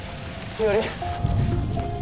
日和！